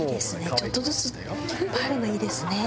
ちょっとずついっぱいあるのいいですね。